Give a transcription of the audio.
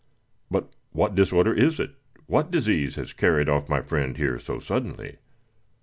"But what disorder is it? What disease has carried off my friend here so suddenly?"